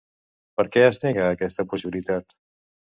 Per què es nega aquesta possibilitat?